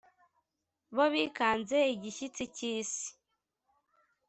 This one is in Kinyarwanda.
Bo bikanze igishitsi cy'isi,